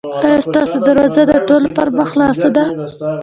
ایا ستاسو دروازه د ټولو پر مخ خلاصه ده؟